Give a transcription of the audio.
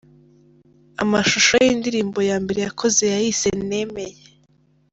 Amashusho y’indirimbo ya mbere yakoze yayise "Nemeye".